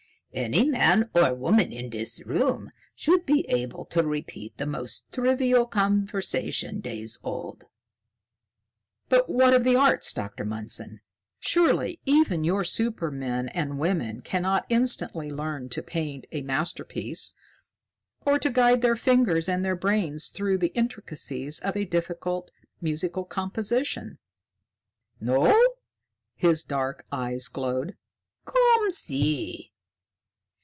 Any man or woman in this room should be able to repeat the most trivial conversation days old." "But what of the arts, Dr. Mundson? Surely even your supermen and women cannot instantly learn to paint a masterpiece or to guide their fingers and their brains through the intricacies of a difficult musical composition." "No?" His dark eyes glowed. "Come see!"